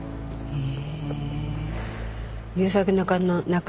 へえ。